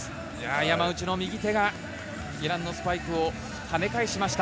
山内の右手がイランのスパイクを跳ね返しました。